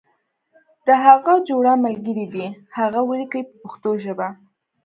د هغه جوړه ملګری دې هغه ولیکي په پښتو ژبه.